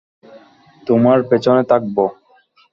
তোমার পেছনে থাকবো।